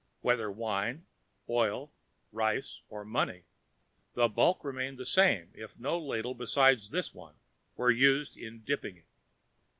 Whether wine, oil, rice, or money, the bulk remained the same if no ladle beside this one were used in dipping it.